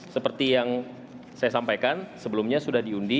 seperti yang saya sampaikan sebelumnya sudah diundi